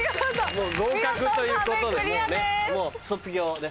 もう合格ということでもうね。